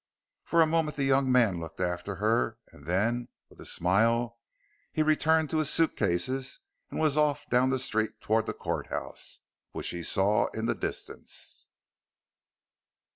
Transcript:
For a moment the young man looked after her and then with a smile he returned to his suit cases and was off down the street toward the courthouse, which he saw in the distance.